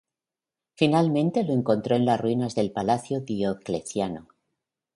Finalmente lo encontró en las ruinas del Palacio de Diocleciano.